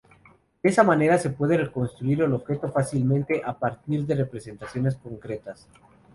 De esta manera se puede reconstruir el objeto fácilmente a partir de representaciones concretas.